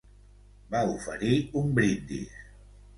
Va oferir un brindis.